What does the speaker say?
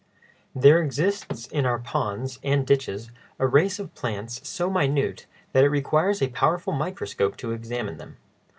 There exists in our ponds and ditches a race of plants so minute that it requires a powerful microscope to examine them.